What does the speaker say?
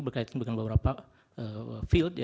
berkaitan dengan beberapa field ya